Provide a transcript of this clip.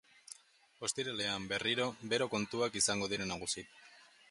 Ostiralean, berriro, bero kontuak izango dira nagusi.